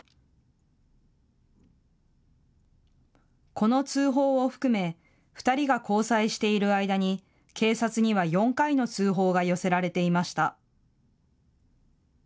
この通報を含め２人が交際している間に警察には４回の通報が寄せられていました。